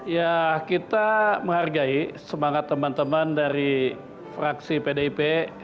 ya kita menghargai semangat teman teman dari fraksi pdip